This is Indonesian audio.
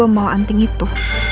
kenapa gue mau anting itu